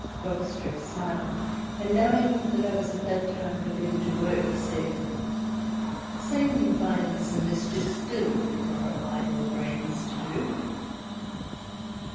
Rockstro smiled, and knowing that I was at the time forbidden to work, said: "Satan finds some mischief still for idle brains to do."